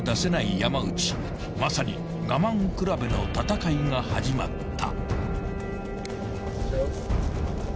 ［まさに我慢比べの闘いが始まった］